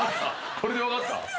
これで分かった？